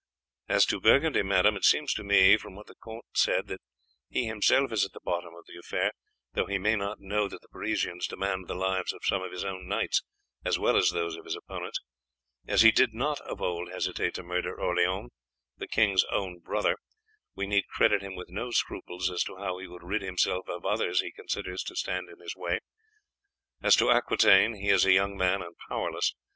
"As to Burgundy, madame, it seems to me from what the count said that he himself is at the bottom of the affair, though he may not know that the Parisians demand the lives of some of his own knights as well as those of his opponents. As he did not of old hesitate to murder Orleans, the king's own brother, we need credit him with no scruples as to how he would rid himself of others he considers to stand in his way. As to Aquitaine, he is a young man and powerless.